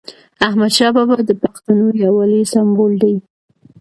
احمدشاه بابا د پښتنو یووالي سمبول دی.